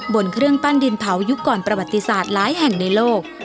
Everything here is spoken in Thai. บนเครื่องปั้นดินเผายุคก่อนประวัติศาสตร์หลายแห่งในโลก